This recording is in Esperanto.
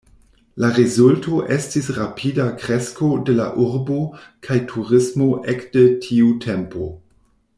La rezulto estis rapida kresko de la urbo kaj turismo ek de tiu tempo.